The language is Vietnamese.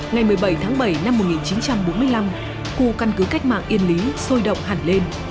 ngày một mươi bảy tháng bảy năm một nghìn chín trăm bốn mươi năm khu căn cứ cách mạng yên lý sôi động hẳn lên